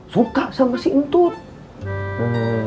suka sama si untut